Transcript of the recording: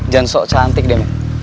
jangan sok cantik deh men